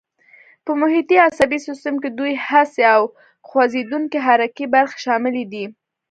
په محیطي عصبي سیستم کې دوې حسي او خوځېدونکي حرکي برخې شاملې دي.